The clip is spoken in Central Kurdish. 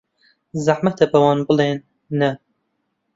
زەحمەتە بەوان بڵێین نا.